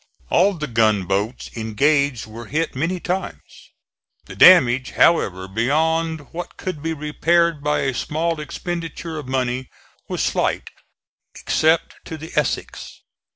All the gunboats engaged were hit many times. The damage, however, beyond what could be repaired by a small expenditure of money, was slight, except to the Essex.